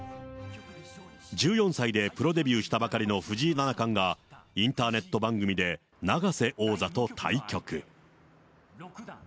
１４歳でプロデビューしたばかりの藤井七冠が、インターネット番組で永瀬王座と対局。